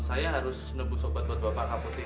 saya harus nebu sobat buat bapak kaput ya